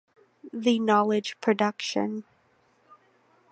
The knowledge production.